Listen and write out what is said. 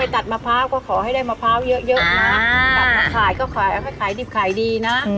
ตัดมาขายก็ขายแล้วไปเขาดีนะ